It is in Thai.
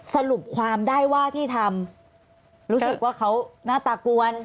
สรุปความได้ว่าที่ทำรู้สึกว่าเขาหน้าตากวน